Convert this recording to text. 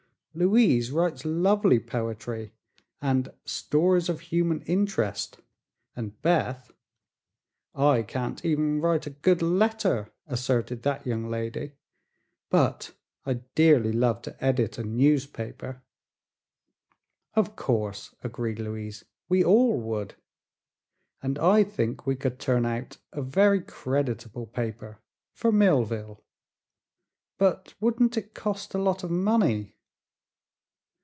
Louise writes lovely poetry and 'stories of human interest,' and Beth " "I can't write even a good letter," asserted that young lady; "but I'd dearly love to edit a newspaper." "Of course," agreed Louise; "we all would. And I think we could turn out a very creditable paper for Millville. But wouldn't it cost a lot of money?"